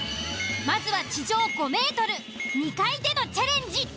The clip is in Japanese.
まずは地上５ｍ２階でのチャレンジ。